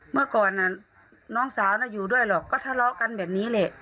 เมื่อก่อนน้องสาวน่ะอยู่ด้วยหรอกก็ทะเลาะกันแบบนี้แหละ